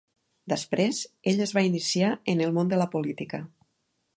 Després, ell es va iniciar en el món de la política.